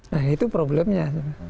nah itu problemnya